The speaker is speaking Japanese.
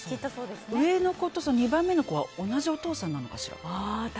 上の子と２番目の子は同じお父さんなのかしら。